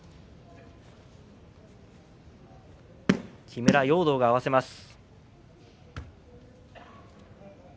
木村容堂が合わせます。